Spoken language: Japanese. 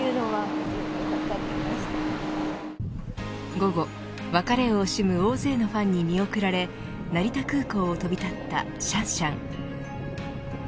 午後、別れを惜しむ大勢のファンに見送られ成田空港を飛び立ったシャンシャン。